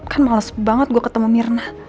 kan males banget gue ketemu mirna